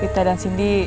wita dan cindy